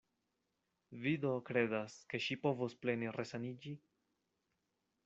Vi do kredas, ke ŝi povos plene resaniĝi?